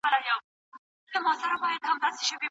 د یو څه د ترلاسه کولو لپاره باید څه ورکړل شي.